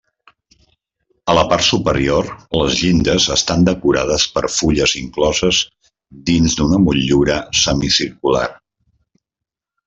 A la part superior les llindes estan decorades per fulles incloses dins una motllura semicircular.